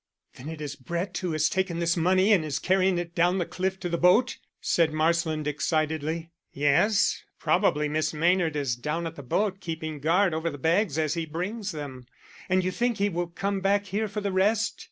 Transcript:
"Then it is Brett who has taken this money and is carrying it down the cliff to the boat?" said Marsland excitedly. "Yes. Probably Miss Maynard is down at the boat keeping guard over the bags as he brings them." "And you think he will come back here for the rest?"